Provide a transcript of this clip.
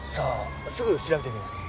すぐ調べてみます。